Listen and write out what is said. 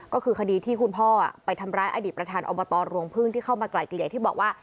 ก็คือคดีที่คุณพ่อไปทำร้ายอดีตประธานอบตรวงพึ่งที่เข้ามาไกลเกลี่ยที่บอกว่า